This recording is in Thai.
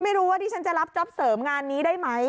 ไม่รู้ว่าที่ฉันจะรับจ๊อปเสริมงานนี้ได้ไหม